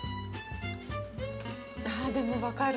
あっでも分かる。